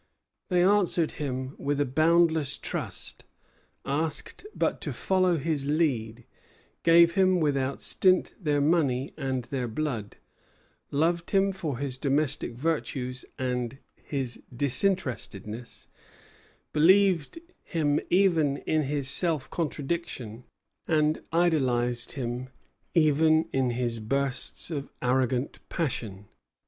They answered him with a boundless trust, asked but to follow his lead, gave him without stint their money and their blood, loved him for his domestic virtues and his disinterestedness, believed him even in his self contradiction, and idolized him even in his bursts of arrogant passion.